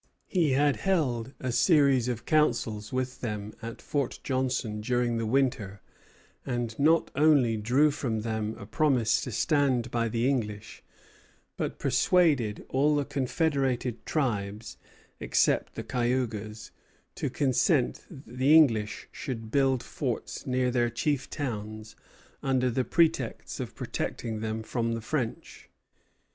He had held a series of councils with them at Fort Johnson during the winter, and not only drew from them a promise to stand by the English, but persuaded all the confederated tribes, except the Cayugas, to consent that the English should build forts near their chief towns, under the pretext of protecting them from the French.